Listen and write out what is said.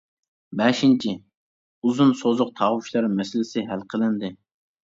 بەشىنچى، ئۇزۇن سوزۇق تاۋۇشلار مەسىلىسى ھەل قىلىندى.